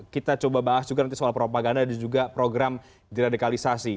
kita coba bahas juga nanti soal propaganda dan juga program diradikalisasi